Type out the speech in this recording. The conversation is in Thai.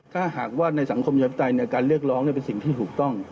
ถ้าหากว่าในสังคมประชาธิปไตยการเรียกร้องเป็นสิ่งที่ถูกต้อง